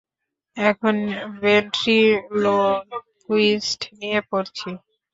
এখন ভেন্ট্রিলোকুইস্ট নিয়ে পড়ছি।